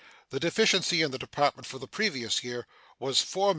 The deficiency in the Department for the previous year was $4,551,966.